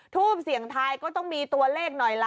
ทูปเสี่ยงทายก็ต้องมีตัวเลขหน่อยล่ะ